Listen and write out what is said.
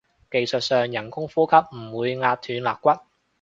技術上人工呼吸唔會壓斷肋骨